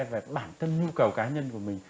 về bản thân nhu cầu cá nhân của mình